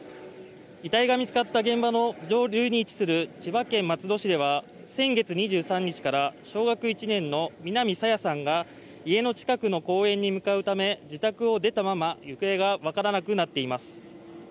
遺体が見つかった現場の上流に位置する千葉県松戸市では先月２３日から小学１年の南朝芽さんが家の近くの公園に向かうため、自宅を出たまま行方が分からなくなっています。